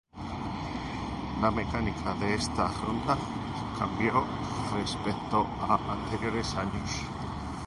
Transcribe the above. La mecánica de esta ronda cambió respecto a anteriores años.